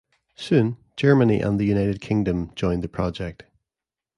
Soon, Germany and the United Kingdom joined the project.